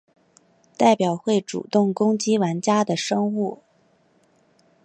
代表会主动攻击玩家的生物。